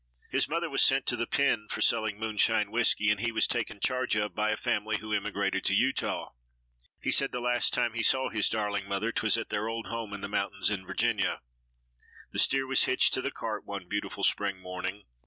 His mother was sent to the pen for selling moonshine whiskey and he was taken charge of by a family who immigrated to Utah. He said the last time he saw his darling mother 'twas at their old home in the mountains in Virginia. The steer was hitched to the cart one beautiful spring morning.